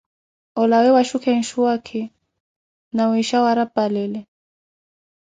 Olawe wanawe na oxhukhe nsuwaakhi, nawiixha warapalele.